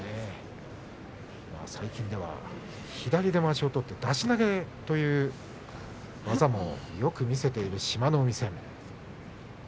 最近では左でまわしを取って出し投げという技もよく見せている志摩ノ海です。